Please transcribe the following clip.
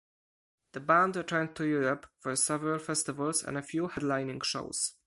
The band returned to Europe for several festivals and a few headlining shows.